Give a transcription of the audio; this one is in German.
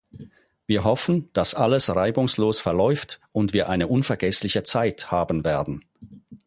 Wir hoffen, dass alles reibungslos verläuft und wir eine unvergessliche Zeit haben werden.